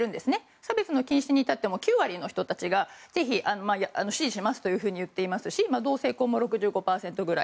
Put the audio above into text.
差別の禁止に至っては９割の人たちが支持しますと言っていますし同性婚も６５％ぐらい。